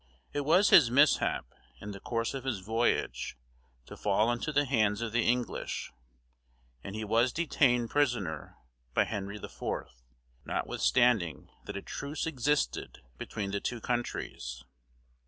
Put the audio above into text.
It was his mishap, in the course of his voyage, to fall into the hands of the English, and he was detained prisoner by Henry IV., notwithstanding that a truce existed between the two countries.